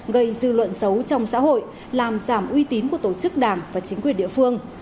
gây dư luận xấu trong xã hội làm giảm uy tín của tổ chức đảng và chính quyền địa phương